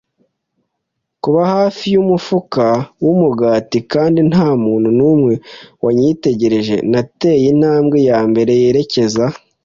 kuba hafi yumufuka wumugati, kandi ntamuntu numwe wanyitegereje, nateye intambwe yambere yerekeza